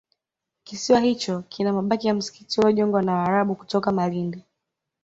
kisiwa hicho kina mabaki ya msikiti uliojengwa na Waarabu kutoka Malindi